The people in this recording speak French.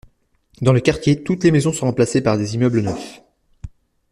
Dans le quartier, toutes les maisons sont remplacées par des immeubles neufs.